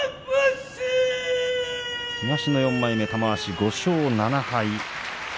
東の４枚目、玉鷲、５勝７敗。